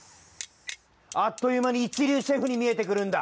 あっというまにいちりゅうシェフにみえてくるんだ。